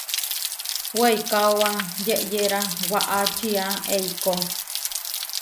Weikaóba yeʼyéra waʼá čía eikó.